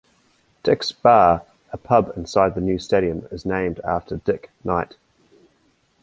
"Dick's Bar" a pub inside the new stadium is named after Dick Knight.